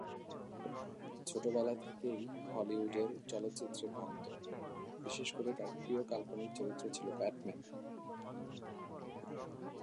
ছোটবেলা থেকেই হলিউডের চলচ্চিত্রের ভক্ত, বিশেষ করে তার প্রিয় কাল্পনিক চরিত্র ছিল ব্যাটম্যান।